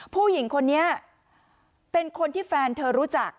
ผู้หญิงคนนี้เป็นคนที่แฟนเธอรู้จัก